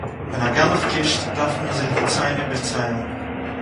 װען אַ גנבֿ קושט, דאַרף מען זיך די צײן איבערצײלן.